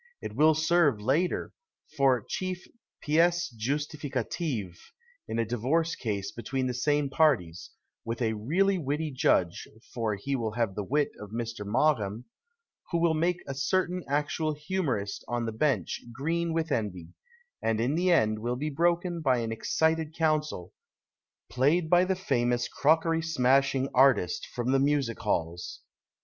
It will serve, later, for chief piece justificative in a divorce case between the same parties (with a really witty judge — for he will have the wit of Mr. Maugham — who will make a certain actual humorist on the Bench green with envy), and in the end will be broken by an excited counsel (played by the famous crockery smashing artist from the music halls).